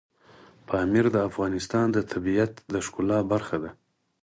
پامیر د افغانستان د طبیعت د ښکلا برخه ده.